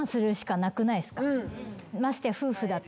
ましてや夫婦だと。